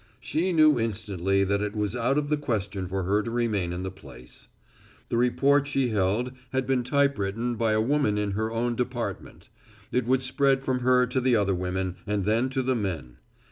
She knew instantly that it was out of the question for her to remain in the place. The report she held had been typewritten by a woman in her own department. It would spread from her to the other women and then to the men.